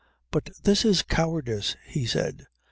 "But this is cowardice," he said.